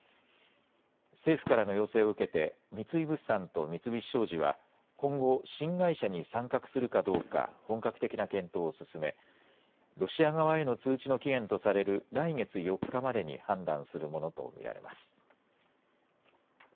政府からの要請を受けて、三井物産と三菱商事は、今後、新会社に参画するかどうか本格的な検討を進め、ロシア側への通知の期限とされる来月４日までに判断するものと見られます。